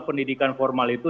pendidikan formal itu